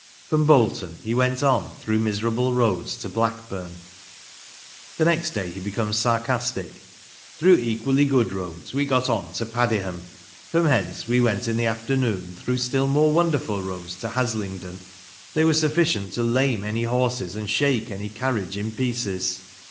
From Bolton he went on " through miserable roads " to Blackburn. The next day he becomes sarcastic. " Through equally good roads we got on to Paddiham. From hence we went in the afternoon through still more wonderful roads to Haslingden. They were sufficient to lame any horses and shake any carriage in pieces.